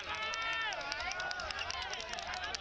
โอเคโอเคโอเคโอเค